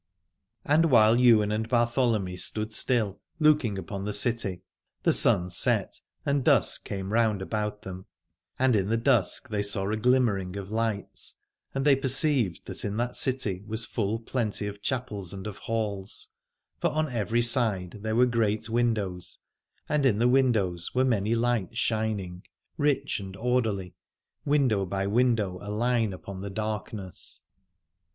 And while Ywain and Bartholomy stood still looking upon the city the sun set and dusk came round about them ; and in the dusk they saw a glimmering of lights. And they perceived that in that city was full plenty of chapels and of halls : for on every side there were great windows, and in the windows were many lights shining, rich and orderly, window by window aline upon the darkness.